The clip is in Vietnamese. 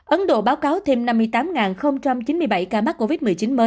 ấn độ báo cáo thêm năm mươi tám chín mươi bảy ca mắc covid